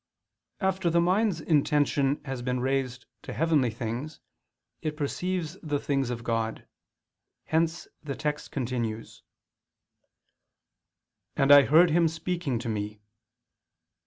After the mind's intention has been raised to heavenly things, it perceives the things of God; hence the text continues: "And I heard Him speaking to me."